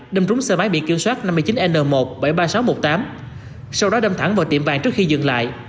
đâm trúng xe máy bị kiểm soát năm mươi chín n một bảy mươi ba nghìn sáu trăm một mươi tám sau đó đâm thẳng vào tiệm vàng trước khi dừng lại